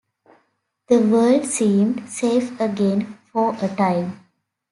The world seemed safe again, for a time.